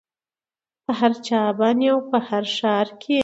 په هر چا باندې او په هر ښار کې